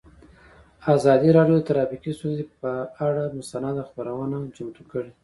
ازادي راډیو د ټرافیکي ستونزې پر اړه مستند خپرونه چمتو کړې.